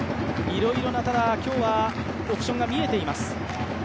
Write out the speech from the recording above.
いろいろなオプションが見えています。